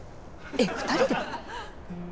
えっ２人で？